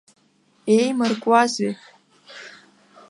Иеимаркуазеи?